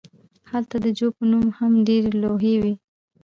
هلته د جو په نوم هم ډیرې لوحې وې